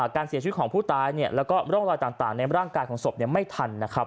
การเสียชีวิตของผู้ตายแล้วก็ร่องรอยต่างในร่างกายของศพไม่ทันนะครับ